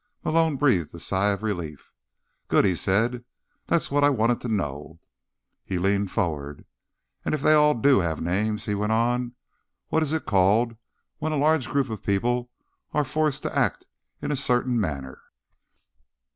Malone breathed a sigh of relief. "Good," he said. "That's what I wanted to know." He leaned forward. "And if they all do have names," he went on, "what is it called when a large group of people are forced to act in a certain manner?"